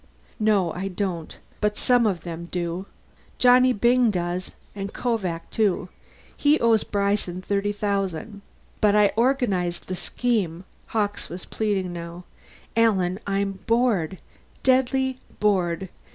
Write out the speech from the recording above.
"No. I don't. But some of them do. Johnny Byng does; and Kovak, too he owes Bryson thirty thousand. But I organized the scheme." Hawkes was pleading now. "Alan, I'm bored. Deadly bored.